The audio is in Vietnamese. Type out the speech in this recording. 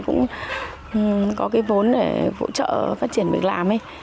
cũng có cái vốn để hỗ trợ phát triển việc làm ấy